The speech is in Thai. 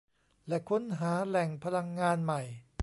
และค้นหาแหล่งพลังงานใหม่